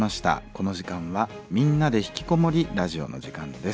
この時間は「みんなでひきこもりラジオ」の時間です。